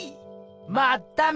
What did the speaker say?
まっため！